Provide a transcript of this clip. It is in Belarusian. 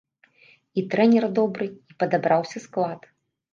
І трэнер добры, і падабраўся склад.